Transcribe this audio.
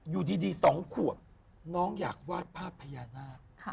อยู่ดี๒ขวบน้องอยากวาดภาพพญานาค